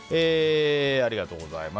ありがとうございます。